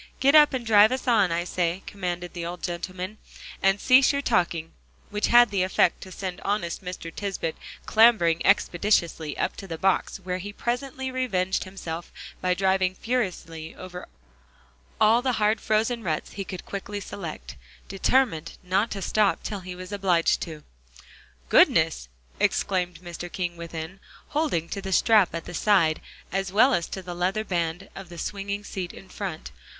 "Get up and drive us on, I say," commanded the old gentleman, "and cease your talking," which had the effect to send honest Mr. Tisbett clambering expeditiously up to the box, where he presently revenged himself by driving furiously over all the hard frozen ruts he could quickly select, determined not to stop till he was obliged to. "Goodness!" exclaimed Mr. King within, holding to the strap at the side, as well as to the leather band of the swinging seat in front.